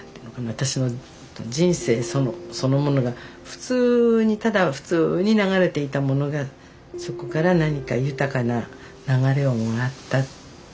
私の人生そのものが普通にただ普通に流れていたものがそこから何か豊かな流れをもらったっていう感じですかね。